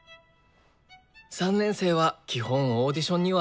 ３年生は基本オーディションには。